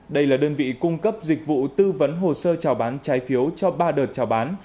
đây là đơn vị cung cấp dịch vụ tư vấn hồ sơ trào bán trái phiếu cho ba đợt trào bán